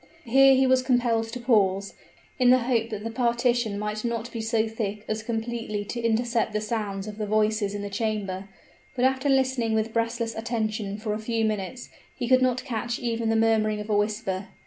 Here he was compelled to pause, in the hope that the partition might not be so thick as completely to intercept the sounds of the voices in the chamber; but after listening with breathless attention for a few minutes, he could not catch even the murmuring of a whisper.